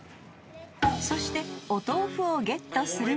［そしてお豆腐をゲットするも］